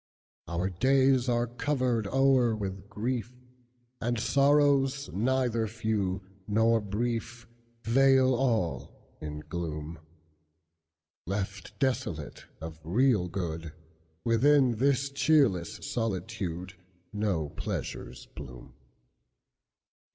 Our days are covered o'er with grief, And sorrows neither few nor briefVeil all in gloom; Left desolate of real good, Within this cheerless solitudeNo pleasures bloom.